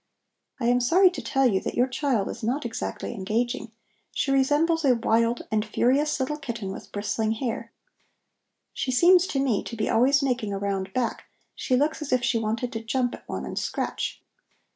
I am sorry to tell you that your child is not exactly engaging; she resembles a wild and furious little kitten with bristling hair. She seems to me to be always making a round back; she looks as if she wanted to jump at one and scratch."